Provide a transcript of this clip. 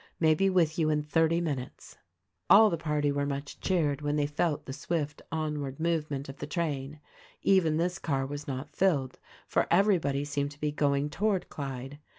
May be with you in thirty minutes." All the party were much cheered when they felt the swift onward movement of the train. Even this car was not filled, for everybody seemed to be going toward Clyde.